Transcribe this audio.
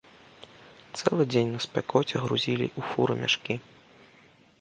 Цэлы дзень на спякоце грузілі ў фуры мяшкі.